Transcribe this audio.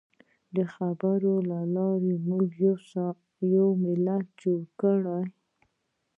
د خبرو له لارې موږ یو ملت جوړ کړ.